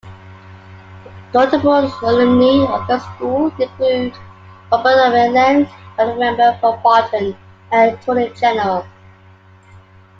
Notable alumni of the school include Robert McLelland, Federal Member for Barton and Attorney-General.